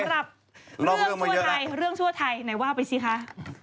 แต่ว่าสำหรับเรื่องทั่วไทยไหนว่าไปสิคะ